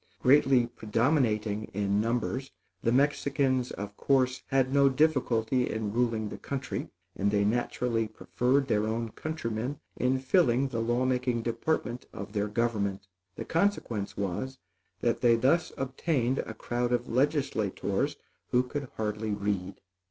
Greatly predominating in numbers, the Mexicans of course had no difficulty in ruling the country; and they naturally preferred their own countrymen in filling the law making department of their government. The consequence was, that they thus obtained a crowd of legislators who could hardly read.